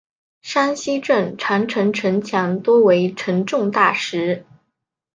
山西镇长城城墙多为沉重大石。